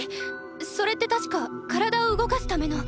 それってたしか体を動かすための。